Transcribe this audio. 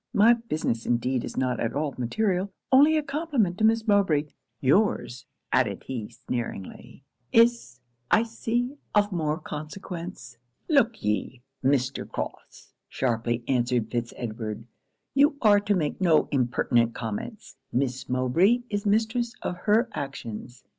My business indeed is not at all material only a compliment to Miss Mowbray your's,' added he sneeringly, 'is, I see, of more consequence.' 'Look ye, Mr. Crofts,' sharply answered Fitz Edward 'You are to make no impertinent comments. Miss Mowbray is mistress of her actions.